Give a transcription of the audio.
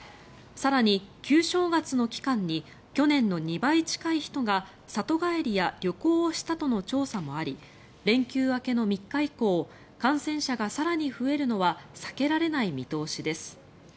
更に、旧正月の期間に去年の２倍近い人が里帰りや旅行をしたとの調査もあり連休明けの３日以降感染者が更に増えるのは避けられない見通しです。